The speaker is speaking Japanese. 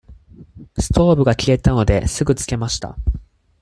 ストーブが消えたので、すぐつけました。